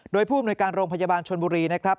โดยภูมิในการโรงพยาบาลชนบุรีนะครับ